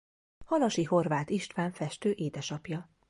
Halasi Horváth István festő édesapja.